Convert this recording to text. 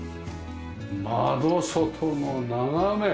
窓外の眺め！